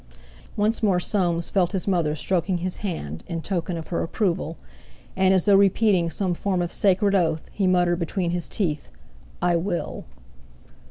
Once more Soames felt his mother stroking his hand, in token of her approval, and as though repeating some form of sacred oath, he muttered between his teeth: "I will!"